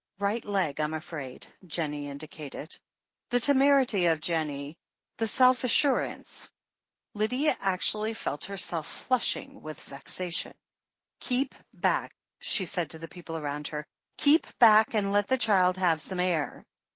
"Right leg, I'm afraid," Jennie indicated. The temerity of Jennie, the self assurance ! Lydia actually felt herself flushing with vexation. 3SO THE HEEL OF ACHILLES "Keep back/' she said to the people round her. "Keep back, and let the child have some air."